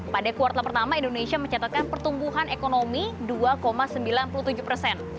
pada kuartal pertama indonesia mencatatkan pertumbuhan ekonomi dua sembilan puluh tujuh persen